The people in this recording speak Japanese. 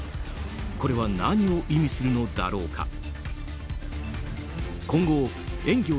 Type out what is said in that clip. これは何を意味するのだろうか。